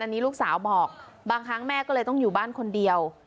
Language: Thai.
อันนี้ลูกสาวบอกบางครั้งแม่ก็เลยต้องอยู่บ้านคนเดียว